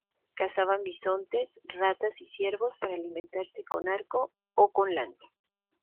Cazaban bisontes, ratas y ciervos para alimentarse con arco o con lanza.